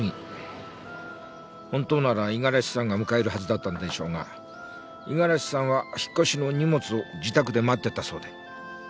本当なら五十嵐さんが迎えるはずだったのでしょうが五十嵐さんは引っ越しの荷物を自宅で待っていたそうで。